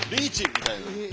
みたいな。